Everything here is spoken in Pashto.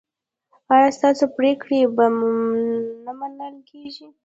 ایا ستاسو پریکړې به نه منل کیږي؟